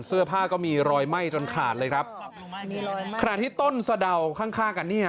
เสื้อผ้าก็มีรอยไหม้จนขาดเลยครับขณะที่ต้นสะดาวข้างข้างกันเนี่ย